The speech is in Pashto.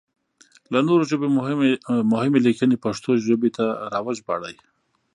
له نورو ژبو مهمې ليکنې پښتو ژبې ته راوژباړئ!